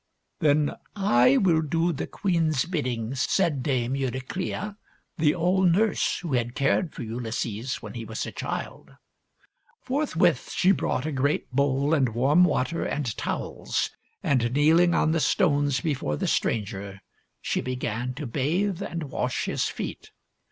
" Then I will do the queen's bidding," said Dame Eurycleia, the old nurse who had cared for Ulysses when he was a child. Forthwith she brought a great bowl and warm water and towels; and kneeling on the stones before the stranger she began to bathe and wash his feet.